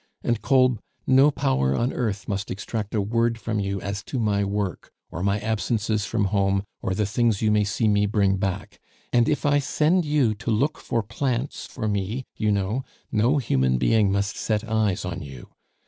And, Kolb, no power on earth must extract a word from you as to my work, or my absences from home, or the things you may see me bring back; and if I send you to look for plants for me, you know, no human being must set eyes on you.